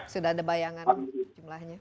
sudah ada bayangan jumlahnya